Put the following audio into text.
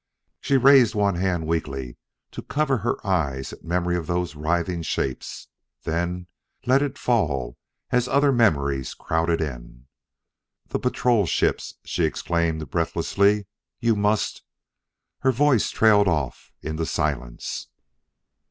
She raised one hand weakly to cover her eyes at memory of those writhing shapes, then let it fall as other memories crowded in. "The patrol ships!" she exclaimed breathlessly. "You must...." Her voice trailed off into silence.